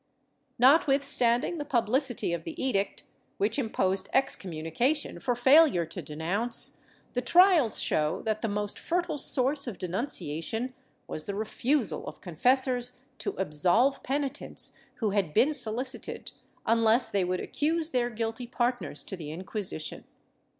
^ Notwithstanding the pulDlicity of the Edict, which imposed excommunication for failure to denounce, the trials show that the most fertile source of denunciation was the refusal of confessors to absolve penitents who had been solicited, unless they would accuse their guilty partners to the Inquisition.